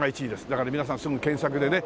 だから皆さんすぐ検索でね